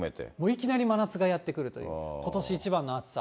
いきなり真夏がやって来るという、ことし一番の暑さ。